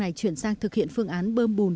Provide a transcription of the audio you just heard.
này chuyển sang thực hiện phương án bơm bùn